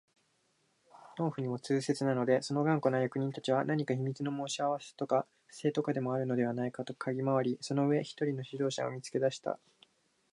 農夫にも痛切なので、その頑固な役人たちは何か秘密の申し合せとか不正とかでもあるのではないかとかぎ廻り、その上、一人の指導者を見つけ出した